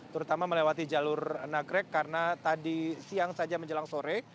terutama melewati jalur nagrek karena tadi siang saja menjelang sore